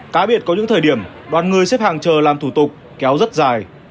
cá biệt có những thời điểm đoàn người xếp hàng chờ làm thủ tục kéo rất dài